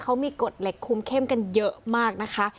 เขามีกฎเหล็กคุมเข้มกันเยอะมากนะคะ